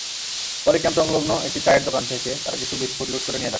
পরে ক্যাম্পসংলগ্ন একটি চায়ের দোকান থেকে তারা বিস্কুট লুট করে নিয়ে যায়।